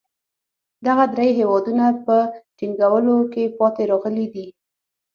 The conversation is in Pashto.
دغه درې هېوادونه په ټینګولو کې پاتې راغلي دي.